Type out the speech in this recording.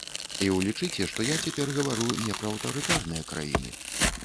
І ўлічыце, што я цяпер гавару не пра аўтарытарныя краіны.